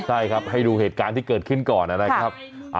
ใช่ครับให้ดูเหตุการณ์ที่เกิดขึ้นก่อนนะครับ